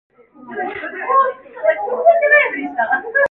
그는 다시 벌떡 일어나 셈을 하여 주고 문 밖으로 나왔다.